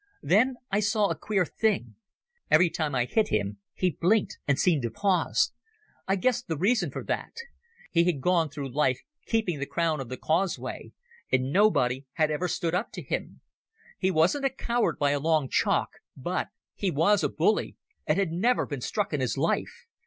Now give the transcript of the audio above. Then I saw a queer thing. Every time I hit him he blinked and seemed to pause. I guessed the reason for that. He had gone through life keeping the crown of the causeway, and nobody had ever stood up to him. He wasn't a coward by a long chalk, but he was a bully, and had never been struck in his life.